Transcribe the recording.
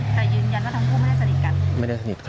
แต่ยืนยันว่าทั้งผู้ไม่ได้สนิทกัน